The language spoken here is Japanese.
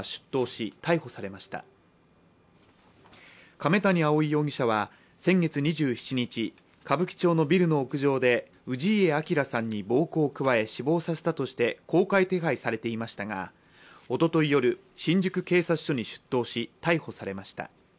亀谷蒼容疑者は先月２７日歌舞伎町のビルの屋上で氏家彰さんに暴行を加え死亡させたとして公開手配されていましたがおととい夜、新宿警察署に出頭し、逮捕されました。